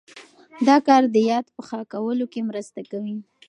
دا کار د یاد په ښه کولو کې مرسته کوي.